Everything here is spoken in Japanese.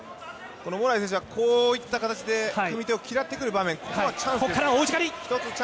このモラエイ選手はこういった形で組み手を嫌ってくる場面、ここから大内刈り。